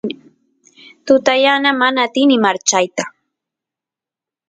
tuta yana mana atini marchayta